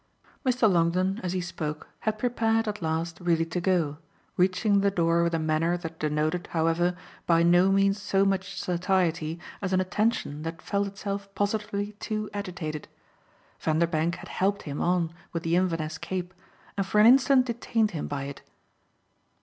Mr. Longdon, as he spoke, had prepared at last really to go, reaching the door with a manner that denoted, however, by no means so much satiety as an attention that felt itself positively too agitated. Vanderbank had helped him on with the Inverness cape and for an instant detained him by it.